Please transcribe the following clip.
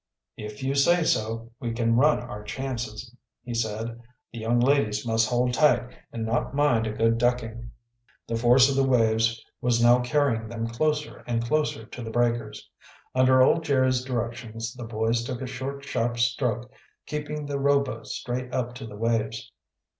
"If you say so, we can run our chances," he said. "The young ladies must hold tight, and not mind a good ducking." The force of the waves was now carrying them closer and closer to the breakers. Under old Jerry's directions the boys took a short, sharp stroke, keeping the rowboat straight up to the waves.